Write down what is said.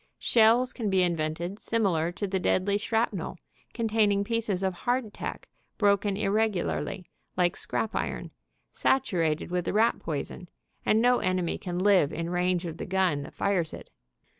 Shells can be invented similar to the deadly shrapnel, containing pieces of hardtack broken irregularly, like scrap iron, satu rated with the rat poison, and no enemy can live in range of the gun that fires it.